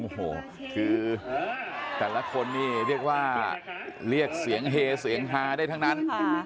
โอ้โหคือแต่ละคนนี่เรียกว่าเรียกเสียงเฮเสียงฮาได้ทั้งนั้น